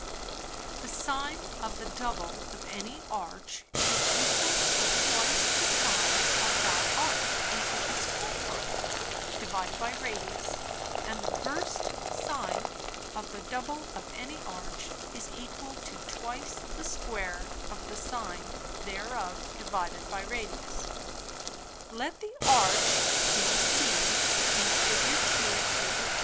_ The Sine of the double of any Arch, is equal to twice the Sine of that Arch into its Co sine, divided by Radius; and the versed Sine of the double of any Arch is equal to twice the Square of the Sine thereof divided by Radius. Let the Arch BC (in _Fig. 2. Tab. 5.